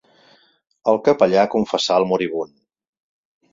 El capellà confessà el moribund.